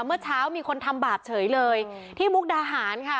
เมื่อเช้ามีคนทำบาปเฉยเลยที่มุกดาหารค่ะ